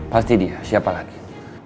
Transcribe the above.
pasti dia siapa lagi